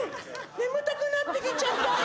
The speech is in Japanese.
眠たくなってきちゃった。